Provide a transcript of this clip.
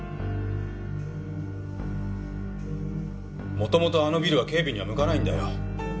もともとあのビルは警備には向かないんだよ。